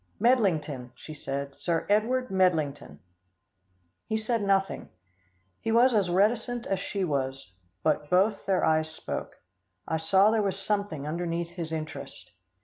"Medlington," she said, "Sir Edward Medlington." He said nothing. He was as reticent as she was, but both their eyes spoke. I saw there was something underneath his interest.